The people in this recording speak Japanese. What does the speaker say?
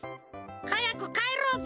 はやくかえろうぜ！